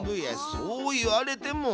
そう言われても。